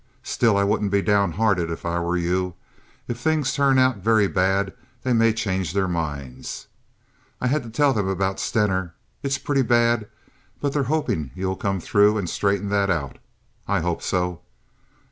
Still, I wouldn't be down hearted if I were you. If things turn out very bad they may change their minds. I had to tell them about Stener. It's pretty bad, but they're hopin' you'll come through and straighten that out. I hope so.